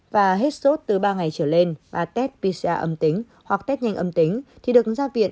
và hết sốt từ ba ngày trở lên và test pcr âm tính hoặc test nhanh âm tính thì được ra viện